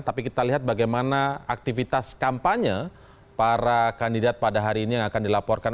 tapi kita lihat bagaimana aktivitas kampanye para kandidat pada hari ini yang akan dilaporkan